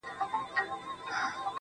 اوښکي دي پر مځکه درته ناڅي ولي؟